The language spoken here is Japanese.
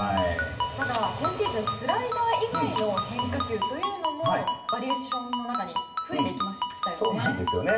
ただ、今シーズンスライダー以外の変化球というのもバリエーションの中に増えていきましたよね。